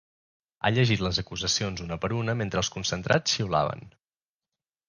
Ha llegit les acusacions una per una mentre els concentrats xiulaven.